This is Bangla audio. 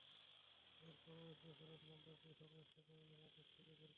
এরপর ওয়েব রেফারেন্স নম্বর দিয়ে সংশ্লিষ্ট জামিনের আদেশ খুঁজে বের করেন।